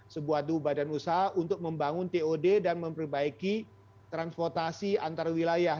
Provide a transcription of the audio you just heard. sebuah duba dan usaha untuk membangun tod dan memperbaiki transportasi antarwilayah